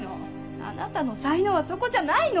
あなたの才能はそこじゃないのよ。